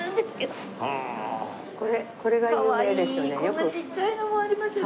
こんなちっちゃいのもありますよ